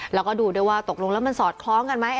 แล้วก็ดูด้วยว่าตกลงแล้วมันสอดคล้องกันไหม